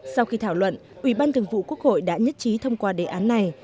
sau khi thảo luận ubthqh đã nhất trí thông qua đề án này